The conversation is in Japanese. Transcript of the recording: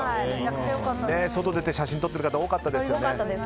外で写真撮っている人多かったですよね。